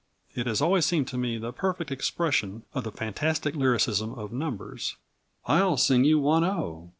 It has always seemed to me the perfect expression of the fantastic lyricism of numbers: I'll sing you one O!